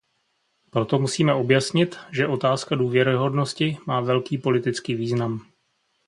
Proto musíme objasnit, že otázka důvěryhodnosti má velký politický význam.